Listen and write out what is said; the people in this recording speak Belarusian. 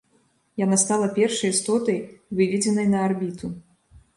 Яна стала першай істотай, выведзенай на арбіту.